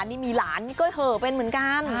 นี่มีหลานนี่ก็เหอะเป็นเหมือนกัน